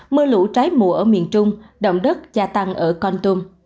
mưa lũ trái mùa ở miền trung động đất gia tăng ở con tôm